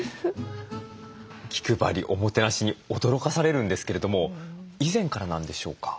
気配りおもてなしに驚かされるんですけれども以前からなんでしょうか？